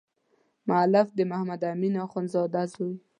مؤلف د محمد امین اخندزاده زوی.